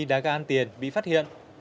đá gà ăn tiền bị phát hiện